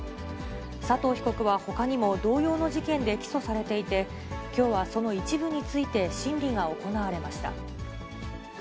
佐藤被告はほかにも同様の事件で起訴されていて、きょうはその一部について、審理が行われました。